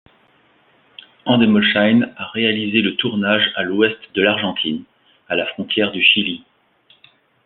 EndemolShine a réalisé le tournage à l’ouest de l’Argentine, à la frontière du Chili.